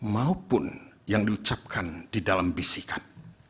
maupun yang diucapkan di dalam bisikan